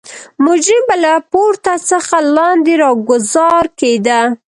مجرم به له پورته څخه لاندې راګوزار کېده.